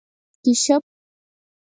🐢 کېشپ